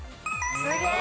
すげえ！